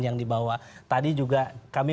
yang dibawa tadi juga kami